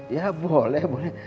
ya boleh boleh